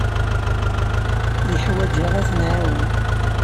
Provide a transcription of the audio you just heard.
Yeḥwaj-aɣ ad t-nɛawen.